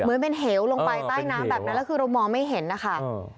เหมือนเป็นเหวลงไปใต้น้ำแบบนั้นแล้วคือเรามองไม่เห็นนะคะ